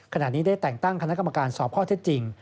ขณะนี้ได้แต่งตั้งคณะกรรมการสอบข้อเท็จจริง